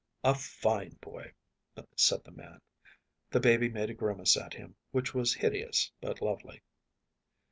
“A fine boy,‚ÄĚ said the man. The baby made a grimace at him which was hideous but lovely.